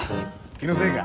気のせいか。